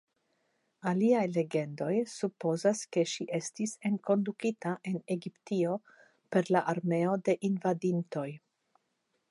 Aliaj legendoj supozas ke ĝi estis enkondukita en Egiptio per la armeoj de invadintoj.